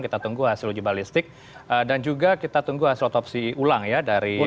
kita tunggu hasil uji balistik dan juga kita tunggu hasil otopsi ulang ya dari